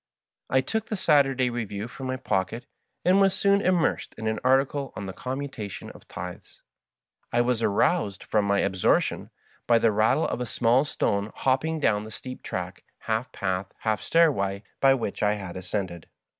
I took the " Saturday Re view" from my pocket, and was soon immersed in an article on the commutation of tithes. 1 was aroused from my absorption by the rattle of a small stone hopping down the steep track, half path, half stairway, by which I had ascended.